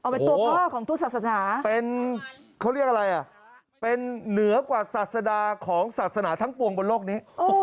เป็นตัวพ่อของทุกศาสนาเป็นเขาเรียกอะไรอ่ะเป็นเหนือกว่าศาสดาของศาสนาทั้งปวงบนโลกนี้